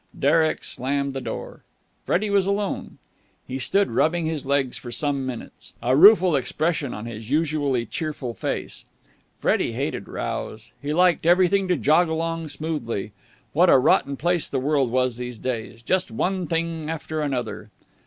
Derek slammed the door. Freddie was alone. He stood rubbing his legs for some minutes, a rueful expression on his usually cheerful face. Freddie hated rows. He liked everything to jog along smoothly. What a rotten place the world was these days! Just one thing after another.